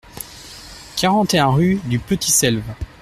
quarante et un rue du Petit Selve